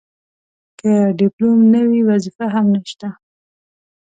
که ډیپلوم نه وي وظیفه هم نشته.